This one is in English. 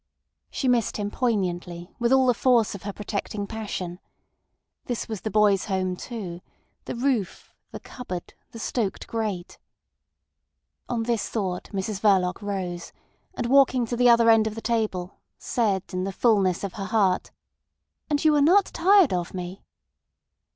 She missed him poignantly, with all the force of her protecting passion. This was the boy's home too—the roof, the cupboard, the stoked grate. On this thought Mrs Verloc rose, and walking to the other end of the table, said in the fulness of her heart: "And you are not tired of me."